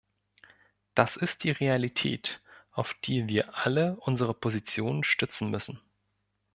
Das ist die Realität, auf die wir alle unsere Positionen stützen müssen.